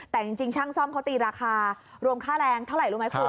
แต่จริงช่างซ่อมเขาตีราคารวมค่าแรงเท่าไหร่รู้ไหมคุณ